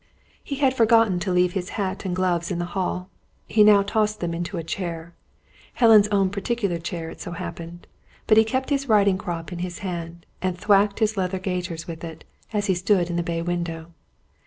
He had forgotten to leave his hat and gloves in the hall. He now tossed them into a chair Helen's own particular chair it so happened but kept his riding crop in his hand, and thwacked his leather gaiters with it, as he stood in the bay window.